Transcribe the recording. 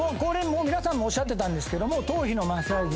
皆さんおっしゃってたけど頭皮のマッサージ